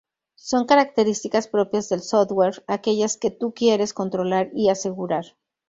Son características propias del software, aquellas que tu quieres controlar y asegurar.